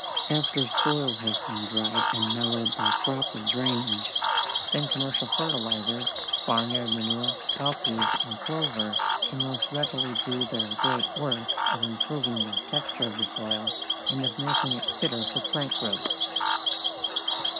After soil has been dried and mellowed by proper drainage, then commercial fertilizers, barnyard manure, cowpeas, and clover can most readily do their great work of improving the texture of the soil and of making it fitter for plant growth.